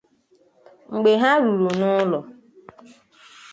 Mgbe ha ruru n’ụlọ